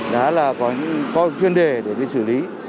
đó là có chuyên đề để đi xử lý